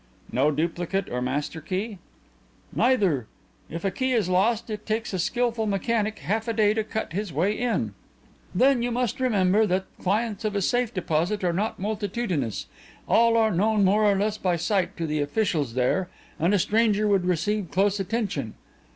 "No duplicate or master key?" "Neither. If a key is lost it takes a skilful mechanic half a day to cut his way in. Then you must remember that clients of a safe deposit are not multitudinous. All are known more or less by sight to the officials there, and a stranger would receive close attention.